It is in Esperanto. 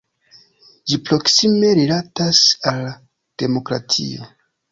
Ĝi proksime rilatas al demokratio.